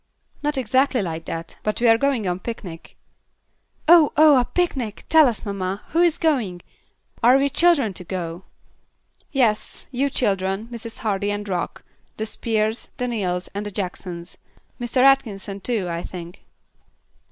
"Not exactly like that; but we are going on a picnic." "Oh! oh! a picnic! Tell us, mamma. Who is going? Are we children to go?" "Yes. You children, Mrs. Hardy and Rock, the Spears, the Neals, and the Jacksons. Mr. Atkinson, too, I think."